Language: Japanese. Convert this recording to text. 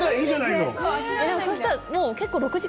でもそしたら。